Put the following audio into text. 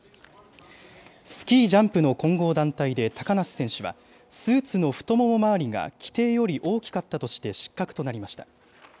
スキージャンプの混合団体で高梨選手は、スーツの太もも周りが規定より大きかったとして失格となりました。